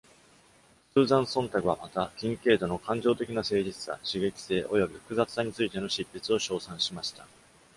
スーザン・ソンタグはまた、キンケードの「感情的な誠実さ」、刺激性、および複雑さについての執筆を賞賛しました。